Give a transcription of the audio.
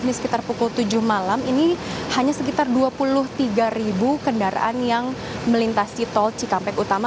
ini sekitar pukul tujuh malam ini hanya sekitar dua puluh tiga ribu kendaraan yang melintasi tol cikampek utama